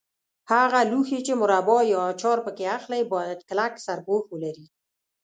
هغه لوښي چې مربا یا اچار پکې اخلئ باید کلک سرپوښ ولري.